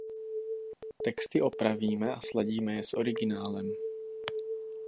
Texty opravíme a sladíme je s originálem.